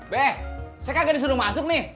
beh saya kan gak disuruh masuk nih